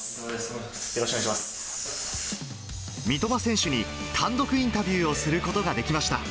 三笘選手に単独インタビューをすることができました。